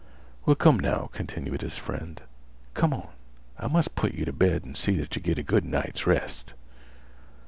"Well, come, now," continued his friend, "come on. I must put yeh t' bed an' see that yeh git a good night's rest."